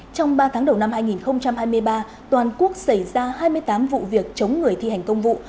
trong ba tháng đầu năm hai nghìn hai mươi ba toàn quốc xảy ra hai mươi tám vụ việc chống người thi hành công vụ